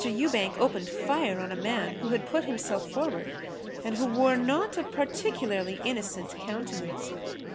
Ewbank opened fire on a man who had put himself forward and who wore not a particularly innocent countenance.